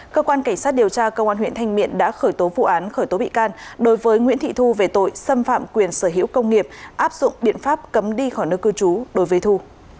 cơ quan cảnh sát điều tra công an huyện thanh miện đã khởi tố vụ án khởi tố bị can đối với nguyễn thị thu về tội xâm phạm quyền sở hữu công nghiệp áp dụng biện pháp cấm đi khỏi nơi cư trú đối với thu